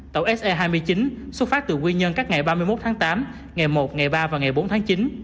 tàu se hai mươi chín xuất phát từ nguyên nhân các ngày ba mươi một tháng tám ngày một ngày ba và ngày bốn tháng chín